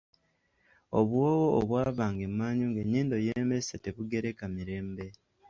Obuwoowo obw'ava nga emanju ng'ennyindo y'emmese tebugireka mirembe!